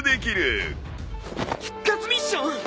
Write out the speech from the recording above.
復活ミッション！